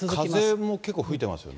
風も結構吹いてますよね。